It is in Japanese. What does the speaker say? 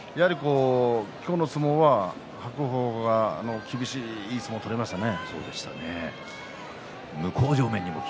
今日の相撲は伯桜鵬の厳しい相撲を取りましたね。